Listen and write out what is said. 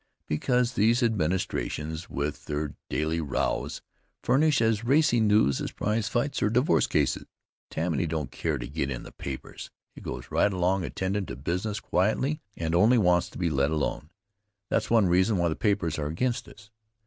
Because these administrations, with their daily rows, furnish as racy news as prizefights or divorce cases. Tammany don't care to get in the papers. It goes right along attendin' to business quietly and only wants to be let alone. That's one reason why the papers are against us.